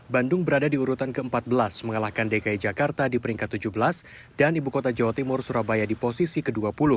bandung berada di urutan ke empat belas mengalahkan dki jakarta di peringkat tujuh belas dan ibu kota jawa timur surabaya di posisi ke dua puluh